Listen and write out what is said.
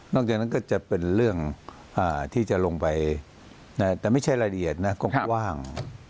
จากนั้นก็จะเป็นเรื่องที่จะลงไปแต่ไม่ใช่รายละเอียดนะกว้าง